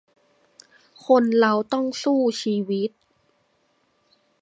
คนเราต้องสู้ชีวิต